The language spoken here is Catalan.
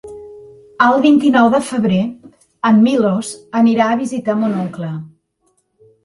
El vint-i-nou de febrer en Milos anirà a visitar mon oncle.